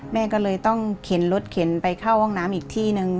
แม่ก็เลยต้องเข็นรถเข็นไปเข้าห้องน้ำอีกที่นึง